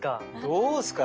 どうっすか？